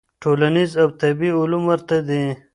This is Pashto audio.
ټولنيز او طبيعي علوم ورته دي.